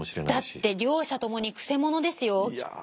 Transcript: だって両者ともにくせ者ですよきっと。